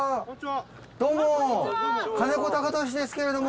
どうも金子貴俊ですけれども。